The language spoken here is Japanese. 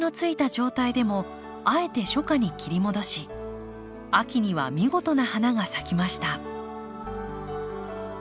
状態でもあえて初夏に切り戻し秋には見事な花が咲きました。